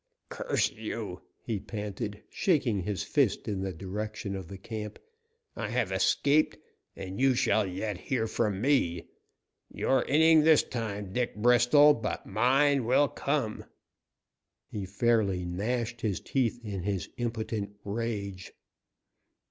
"Curse you!" he panted, shaking his fist in the direction of the camp. "I have escaped, and you shall yet hear from me! Your inning this time, Dick Bristol, but mine will come!" He fairly gnashed his teeth in his impotent rage.